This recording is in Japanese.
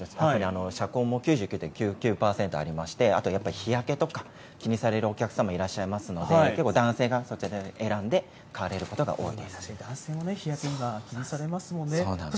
特に遮光も９９．９９％ありまして、あとやっぱり日焼けとか気にされるお客様いらっしゃいますので、結構、男性がこちらを選んで、買われることが男性も今、日焼けには気にされますもんね。